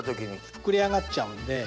膨れ上がっちゃうんで。